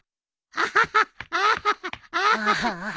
アハハハ。